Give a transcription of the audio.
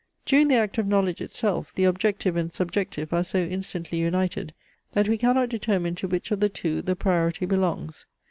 During the act of knowledge itself, the objective and subjective are so instantly united, that we cannot determine to which of the two the priority belongs.